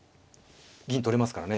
銀取れますからね。